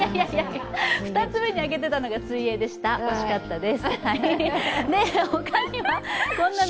２つ目に挙げたのが水泳でした、惜しかったです。